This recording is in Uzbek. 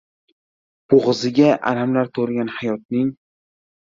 Bo‘g‘ziga alamlar to‘lgan hayotning.